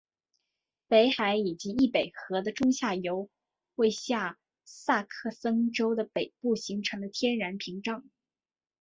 北海以及易北河的中下游为下萨克森州的北部形成了天然屏障。